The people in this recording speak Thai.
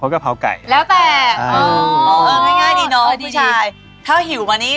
เป็นสเต๊กเนื้อค่ะ